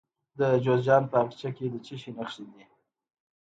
د جوزجان په اقچه کې د څه شي نښې دي؟